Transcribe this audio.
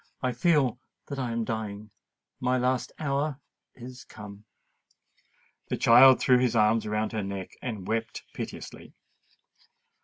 "I feel that I am dying—my last hour is come!" The child threw his little arms about her neck, and wept piteously.